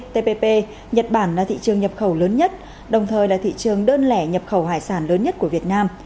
tppp nhật bản là thị trường nhập khẩu lớn nhất đồng thời là thị trường đơn lẻ nhập khẩu hải sản lớn nhất của việt nam